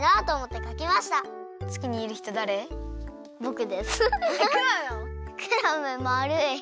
クラムまるい。